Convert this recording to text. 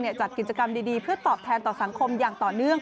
จัดกิจกรรมดีเพื่อตอบแทนต่อสังคมอย่างต่อเนื่อง